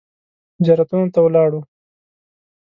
زیارتونو ته ولاړو.